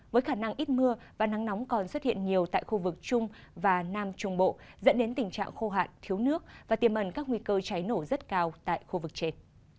với khả năng ít mưa và nắng nóng còn xuất hiện nhiều tại khu vực trung và nam trung bộ dẫn đến tình trạng khô hạn thiếu nước và tiềm ẩn các nguy cơ cháy nổ rất cao tại khu vực trên